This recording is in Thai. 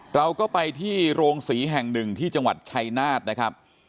เราก็ไปที่โรงศรีแห่งหนึ่งที่จังหวัดชัยนาธนะครับ